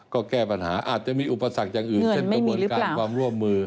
ก็แก้ปัญหาอาจจะมีอุปสรรคอย่างอื่นเช่นกระบวนการความร่วมมือ